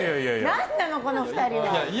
何なの、この２人は。